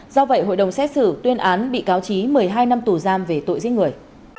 do vậy hội đồng xét xử tuyên án bị cáo trí một mươi hai năm tù giam về tội giết người